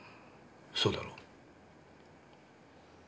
そうだろ？